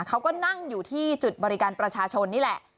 เขาก็นั่งอยู่ที่จุดบริการประชาชนนี่แหละ